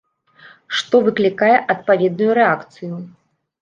Што выклікае адпаведную рэакцыю.